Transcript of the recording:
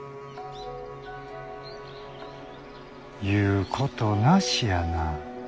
言うことなしやな。